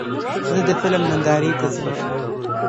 زه د فلم نندارې ته ځم.